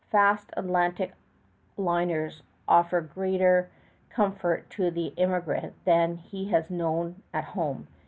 Fast Atlantic liners offer greater comfort to the emigrant than he has known at home.